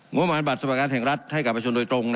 งุมมานบัตรสรรพาการแห่งรัฐให้กลับไปชนโดยตรงนะครับ